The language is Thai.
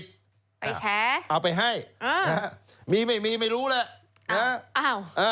ไปแชร์เอาไปให้มีไม่มีไม่รู้แหละนะฮะ